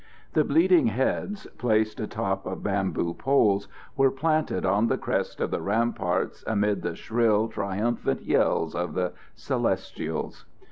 The bleeding heads, placed atop of bamboo poles, were planted on the crest of the ramparts amid the shrill, triumphant yells of the Celestials.